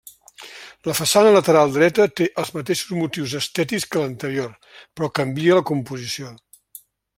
La façana lateral dreta té els mateixos motius estètics que l'anterior, però canvia la composició.